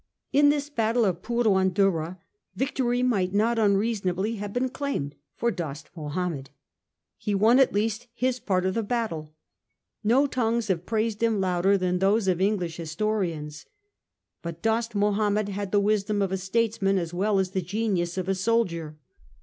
In this battle of Purwandurrah victory might not unreason ably have been claimed for Dost Mahomed. He won at least his part of the battle. No tongues have praised him louder than those of English historians. But Dost Mahomed had the wisdom of a statesman as well as the genius of a soldier.